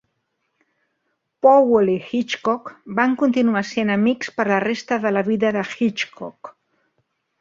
Powell i Hitchcock van continuar sent amics per la resta de la vida de Hitchcock.